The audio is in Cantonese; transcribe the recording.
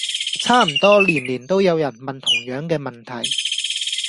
差唔多年年都有人問同樣既問題